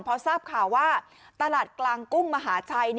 พอทราบข่าวว่าตลาดกลางกุ้งมหาชัย